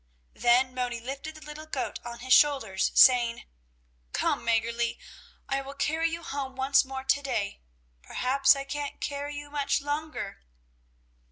Then Moni lifted the little goat on his shoulders, saying: "Come, Mäggerli, I will carry you home once more to day. Perhaps I can't carry you much longer."